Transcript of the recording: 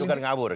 itu kan ngabur